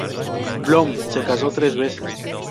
Bloom se casó tres veces.